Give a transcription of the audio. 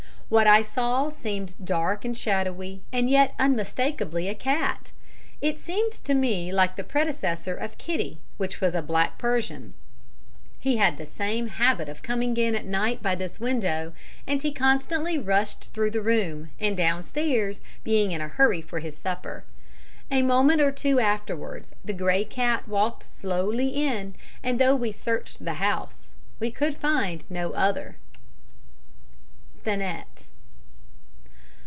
What I saw seemed dark and shadowy and yet unmistakably a cat. It seemed to me like the predecessor of Kitty, which was a black Persian; he had the same habit of coming in at night by this window, and he constantly rushed through the room, and downstairs, being in a hurry for his supper. A moment or two afterwards the grey cat walked slowly in, and though we searched the house, we could find no other. "THANET."